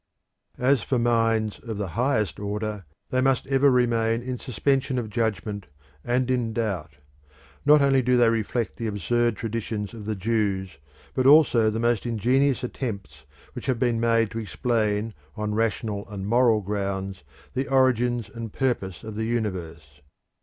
As for minds of the highest order, they must ever remain in suspension of judgement and in doubt. Not only do they reflect the absurd traditions of the Jews, but also the most ingenious attempts which have been made to explain on rational and moral grounds the origin and purpose of the universe.